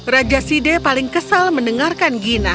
raja side paling kesal mendengarkan gina